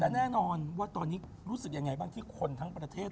และแน่นอนว่าตอนนี้รู้สึกยังไงบ้างที่คนทั้งประเทศ